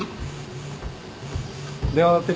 電話鳴ってるよ。